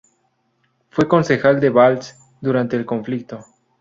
Fue concejal de Valls durante el conflicto.